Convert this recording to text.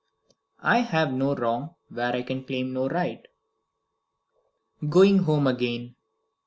"I have no Wrong, where I can claim no Right." Going home again.